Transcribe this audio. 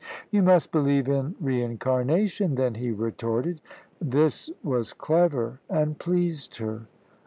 "You must believe in re incarnation then," he retorted. This was clever and pleased her.